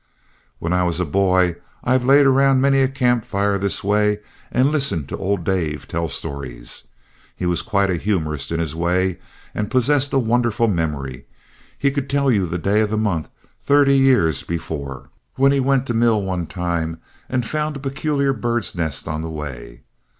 "When I was a boy, I've laid around many a camp fire this way and listened to old Dave tell stories. He was quite a humorist in his way, and possessed a wonderful memory. He could tell you the day of the month, thirty years before, when he went to mill one time and found a peculiar bird's nest on the way.